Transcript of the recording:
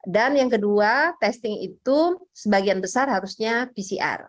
dan yang kedua testing itu sebagian besar harusnya pcr